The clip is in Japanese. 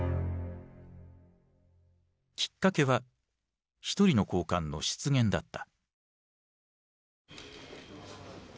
きっかけは一人の高官の失言だった。